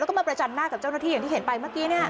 แล้วก็มาประจันหน้ากับเจ้าหน้าที่อย่างที่เห็นไปเมื่อกี้เนี่ย